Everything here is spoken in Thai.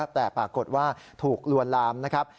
แต่ปรากฏว่าถูกลวนลามนะครับ